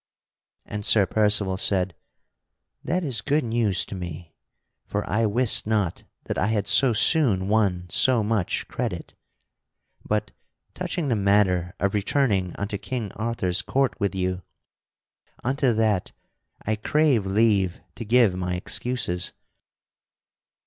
And Sir Percival said: "That is good news to me, for I wist not that I had so soon won so much credit. But, touching the matter of returning unto King Arthur's court with you; unto that I crave leave to give my excuses.